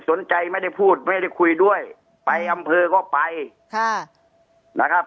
สนใจไม่ได้พูดไม่ได้คุยด้วยไปอำเภอก็ไปค่ะนะครับ